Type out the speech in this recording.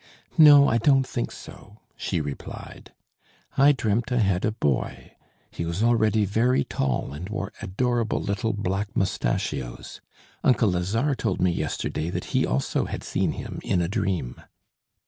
"No, I don't think so," she replied. "I dreamt I had a boy: he was already very tall and wore adorable little black moustachios. Uncle Lazare told me yesterday that he also had seen him in a dream."